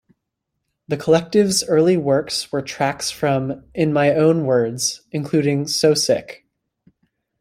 The collective's early works were tracks from "In My Own Words", including "So Sick".